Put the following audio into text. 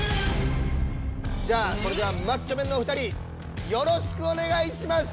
じゃあそれではマッチョメンのお二人よろしくお願いします！